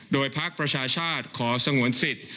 โดยพักประชาชาติขอสงวนสิทธิ์